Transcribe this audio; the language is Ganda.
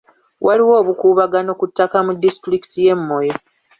Waliwo obukuubagano ku ttaka mu disitulikiti y'e Moyo.